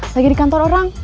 lagi di kantor orang